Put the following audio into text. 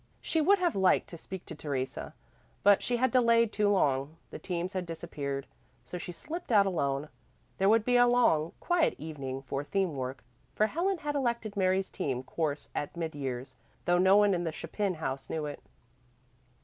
She would have liked to speak to Theresa, but she had delayed too long; the teams had disappeared. So she slipped out alone. There would be a long, quiet evening for theme work for Helen had elected Mary's theme course at mid years, though no one in the Chapin house knew it.